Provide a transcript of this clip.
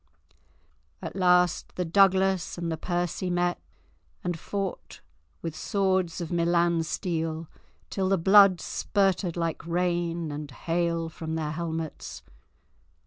At last the Douglas and the Percy met and fought with swords of Milan steel till the blood spurted like rain and hail from their helmets.